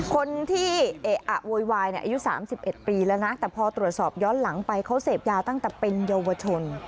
คนที่เอะอะโวยวายอายุ๓๑ปีแล้วนะแต่พอตรวจสอบย้อนหลังไปเขาเสพยาตั้งแต่เป็นเยาวชน